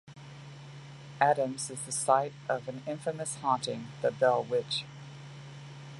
Adams is the site of an infamous haunting, the Bell Witch.